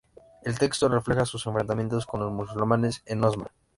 El texto refleja su enfrentamiento con los musulmanes en Osma.